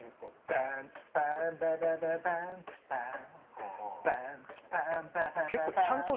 バンツバババババンツバン